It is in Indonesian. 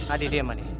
adi diam adi